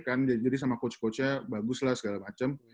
kan jadi sama coach coachnya bagus lah segala macam